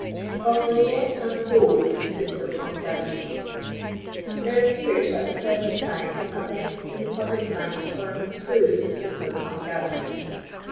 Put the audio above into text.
Ov TUB '^Jrt ahd Ho6b" Ststek ov SGAYAQIirO. ^ Tbx&b appears at the present time » bent in the public miud for an improved system of scavagery.